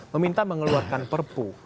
meminta mengeluarkan perpu